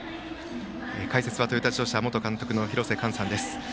解説はトヨタ自動車元監督の廣瀬寛さんです。